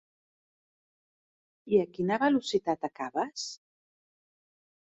I a quina velocitat acabes?